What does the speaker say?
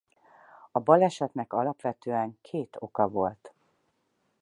A balesetnek alapvetően két oka volt.